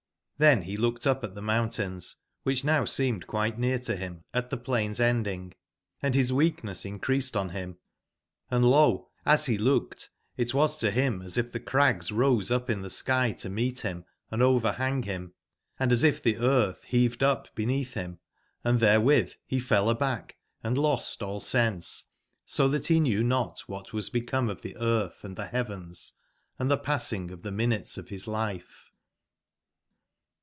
XTben be looked up at tbc mountains, wbicb now seemed quite near to bim at tbe plain's ending,&bisweahncss increased on bim; and lo t as be looked, it was to bim as if tbe crags rose up in tbe shy to meet bim and overbang bim, and as >if tbe eartb beaved up beneatb bim, and tberewitb be fell aback & lost all sense, so tbat be knew not wbat )was become of tbe eartb and tbe beavens & tbe pas sing of tbe minutes of bis life.